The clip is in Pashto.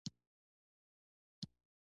راکټ د بشر ستره بریا وه